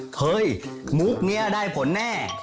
เฮ้ยมุกนี้ได้ผลแน่